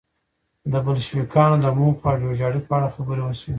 د بلشویکانو د موخو او جوړجاړي په اړه خبرې وشوې